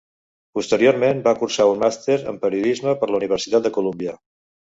Posteriorment va cursar un màster en periodisme per la Universitat de Colúmbia.